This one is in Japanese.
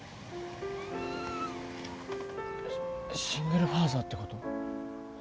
シングルファーザーってこと？